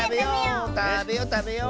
たべよたべよう。